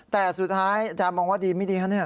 แต่สุดท้ายจะมองว่าดีไม่ดีค่ะ